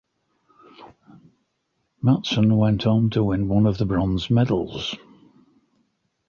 Mattsson went on to win one of the bronze medals.